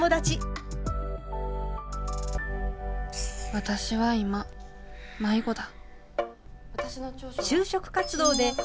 私は今迷子だ。